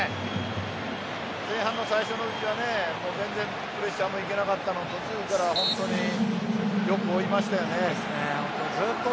前半の最初のうちは全然プレッシャーまでいけなかったのが本当によく追いましたよね。